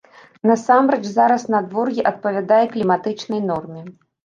Насамрэч зараз надвор'е адпавядае кліматычнай норме.